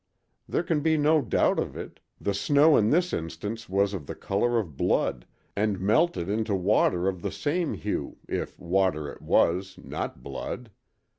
There can be no doubt of it—the snow in this instance was of the color of blood and melted into water of the same hue, if water it was, not blood.